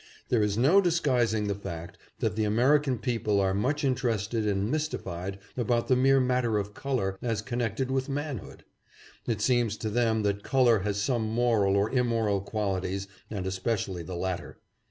There is no disguising the fact that the American people are much interested and mystified about the mere matter of color as connected with man hood. It seems to them that color has some moral or immoral qualities and especially the latter.